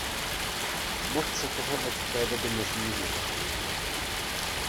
Moc se toho od té doby nezměnilo.